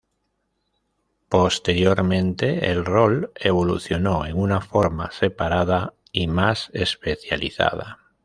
Posteriormente, el rol evolucionó en una forma separada y más especializada.